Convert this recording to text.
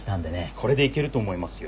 これでいけると思いますよ。